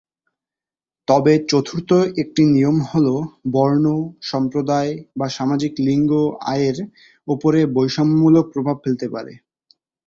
তবে চতুর্থ একটি নিয়ম হল বর্ণ, সম্প্রদায় বা সামাজিক লিঙ্গ আয়ের উপরে বৈষম্যমূলক প্রভাব ফেলতে পারে।